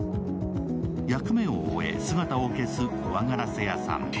役目を終え、姿を消す怖ガラセ屋サン。